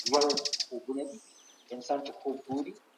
هیوادونه نړیوال فشار بې له ځواب نه نه پريږدي.